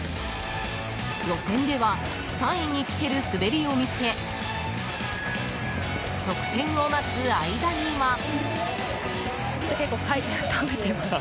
予選では３位につける滑りを見せ得点を待つ間には。